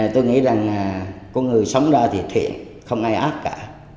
tôi nghĩ rằng có người sống ra thì thiện không ai ác cả